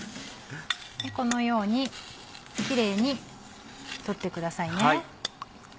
このようにキレイに取ってください。